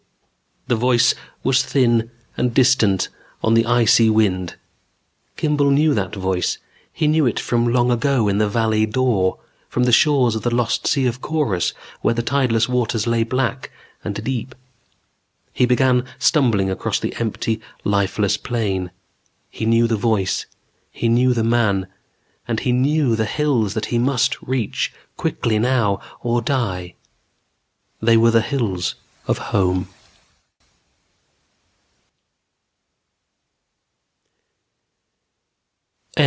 _ The voice was thin and distant on the icy wind. Kimball knew that voice. He knew it from long ago in the Valley Dor, from the shores of the Lost Sea of Korus where the tideless waters lay black and deep He began stumbling across the empty, lifeless plain. He knew the voice, he knew the man, and he knew the hills that he must reach, quickly now, or die. They were the hills of home.